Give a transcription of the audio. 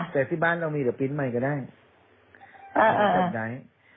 แต่ที่บ้านเรามีเดี๋ยวปีนใหม่ก็ได้